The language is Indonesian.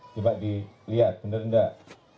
coba dilihat benar tidak